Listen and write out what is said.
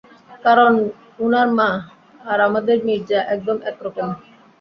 কারণ উনার মা, আর আমাদের মির্জা, একদম একরকম।